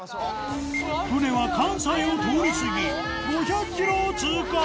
船は関西を通り過ぎ５００ｋｍを通過